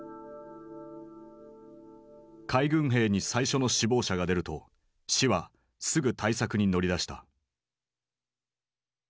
海軍兵に最初の死亡者が出ると市はすぐ対策に乗り出した。